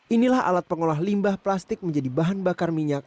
inilah alat pengolah limbah plastik menjadi bahan bakar minyak